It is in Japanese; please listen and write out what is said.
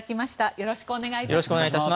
よろしくお願いします。